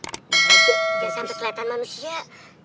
jangan sampai kelihatan manusia